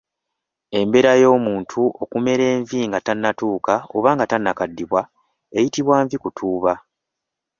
Embeera y’omuntu okumera envi nga tannatuuka oba nga tannakaddiwa eyitibwa nvi kutuuba.